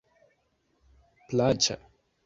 plaĉa